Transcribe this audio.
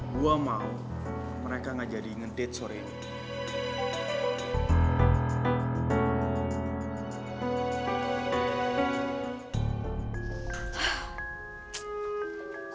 gue mau mereka gak jadi ngedate sore ini